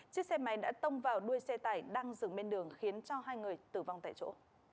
chiếc xe máy đã tông vào đuôi xe tải đang dừng bên đường khiến cho hai người tử vong tại chỗ